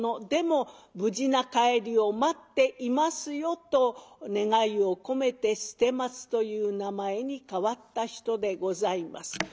でも無事な帰りを待っていますよ」と願いを込めて捨松という名前に替わった人でございます。